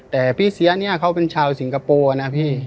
แต่พี่เสียเนี่ยเขาเป็นชาวสิงคโปร์นะพี่